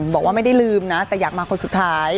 บอกว่าไม่ได้ลืมนะแต่อยากมาคนสุดท้าย